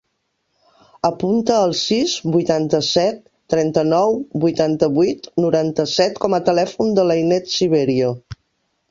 Apunta el sis, vuitanta-set, trenta-nou, vuitanta-vuit, noranta-set com a telèfon de l'Ainet Siverio.